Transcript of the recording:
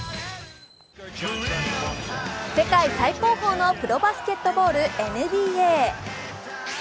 世界最高峰のプロバスケットボール、ＮＢＡ。